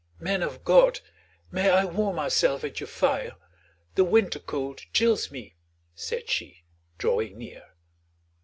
"Men of God, may I warm myself at your fire? The winter cold chills me," said she, drawing near.